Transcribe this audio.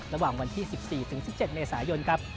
ระหว่างวันที่๑๔ถึง๑๗เมษายนครับ